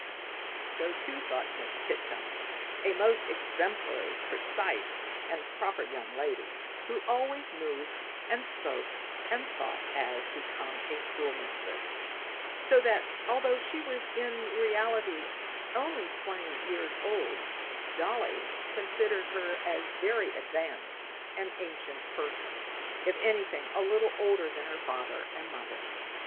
So, too, thought Miss Titcome, a most exemplary, precise and proper young lady, who always moved and spoke and thought as became a schoolmistress, so that, although she was in reality only twenty years old, Dolly considered her as a very advanced and ancient person if anything, a little older than her father and mother.